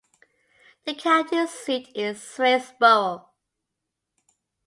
The county seat is Swainsboro.